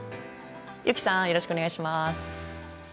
ユキさんよろしくお願いします。